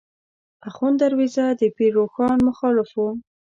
آخوند دروېزه د پیر روښان مخالف و.